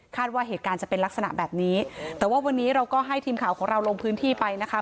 ว่าเหตุการณ์จะเป็นลักษณะแบบนี้แต่ว่าวันนี้เราก็ให้ทีมข่าวของเราลงพื้นที่ไปนะคะ